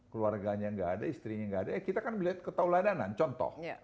keluarganya nggak ada istrinya nggak ada kita kan melihat ketauladanan contoh